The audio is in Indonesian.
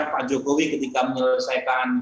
pak jokowi ketika menyelesaikan